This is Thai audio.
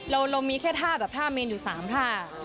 เรามีแค่ท่าแบบท่าเมนอยู่๓ท่า